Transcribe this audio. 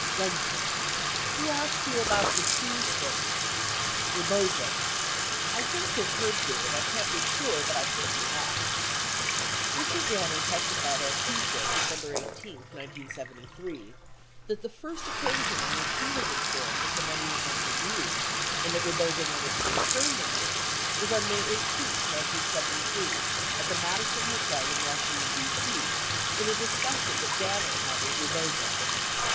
Lenzner. Who asked you about the Hughes thing Rebozo. I think that Herb did, can't be sure, but I think he had . 38 Richard Danner testified on Tuesday, December 18, 1973, that the first occasion on which he was informed that the money had not been used and that Rebozo wanted to return the money, was on May 18, 1973, at the Madison Hotel in Washington, D.C., in a discussion that Danner had with Rebozo.